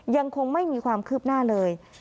ยังคงไม่มีความคืบหน้าเลย